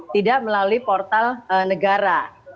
tidak melalui portal negara